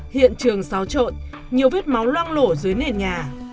hiện trường xáo trộn nhiều vết máu loang lổ dưới nền nhà